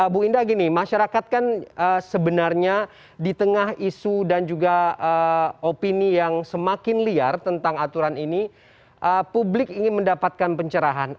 bu indah gini masyarakat kan sebenarnya di tengah isu dan juga opini yang semakin liar tentang aturan ini publik ingin mendapatkan pencerahan